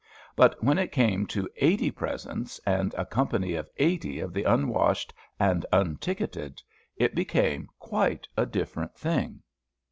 But when it came to eighty presents, and a company of eighty of the unwashed and unticketed, it became quite a different thing.